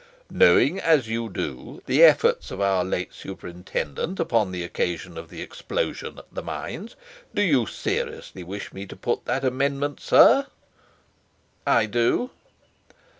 "Knowing, as you do, the efforts of our late superintendent upon the occasion of the explosion at the mines, do you seriously wish me to put that amendment, sir?" "I do."